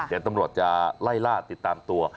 เดี๋ยวตำรวจจะไล่ล่าติดตามตัว